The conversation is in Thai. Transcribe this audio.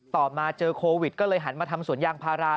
ต่อมาเจอโควิดก็เลยหันมาทำสวนยางพารา